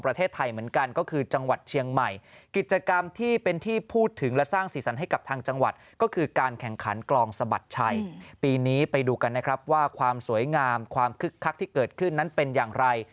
ปีนี้ไปดูกันนะครับว่าความสวยงามความคึกคักที่เกิดขึ้นนั้นเป็นอย่างไร